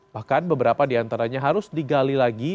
bahkan beberapa diantaranya harus digali lagi